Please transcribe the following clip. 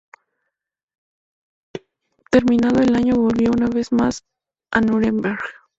Terminado el año, volvió una vez más a Núremberg.